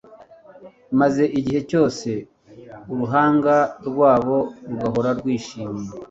maze igihe cyose uruhanga rwabo rugahora rwishimye